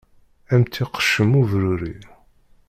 Ad m-tt-iqeccem ubruri.